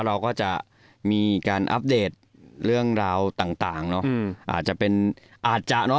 เราก็จะมีการอัปเดตเรื่องราวต่างเนอะอาจจะเป็นอาจจะเนอะ